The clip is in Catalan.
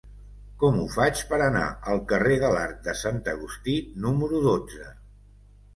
Com ho faig per anar al carrer de l'Arc de Sant Agustí número dotze?